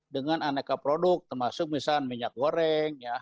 dengan aneka produk termasuk misalnya minyak goreng